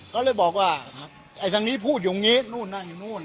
ก็เลยบอกว่าไอ้ทางนี้พูดอย่างนี้นู่นนั่นอยู่นู่น